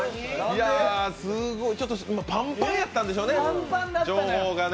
パンパンやったんでしょうね、情報がね。